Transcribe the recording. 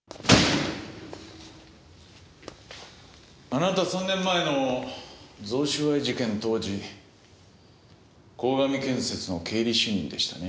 あなた３年前の贈収賄事件当時鴻上建設の経理主任でしたね。